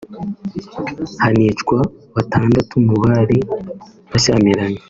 hanicwa batandatu mu bari bashyamiranye